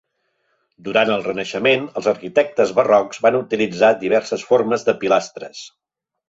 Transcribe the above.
Durant el Renaixement, els arquitectes barrocs van utilitzar diverses formes de pilastres.